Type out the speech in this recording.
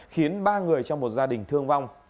khiến ba người trong một gia đình thương vong